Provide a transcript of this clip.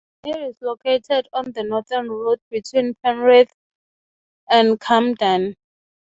It is located on the Northern Road between Penrith and Camden.